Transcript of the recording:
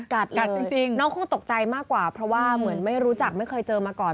กัดจริงน้องคู่ตกใจมากกว่าเพราะว่าเหมือนไม่รู้จักไม่เคยเจอมาก่อน